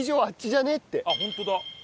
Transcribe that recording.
あっホントだ。